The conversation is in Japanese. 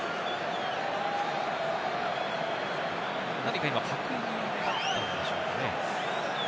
何か確認があったんでしょう